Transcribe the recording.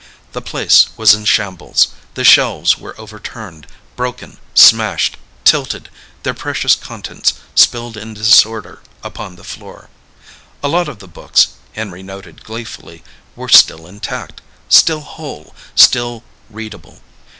The place was in shambles. The shelves were overturned, broken, smashed, tilted, their precious contents spilled in disorder upon the floor. A lot of the books, Henry noted gleefully, were still intact, still whole, still readable.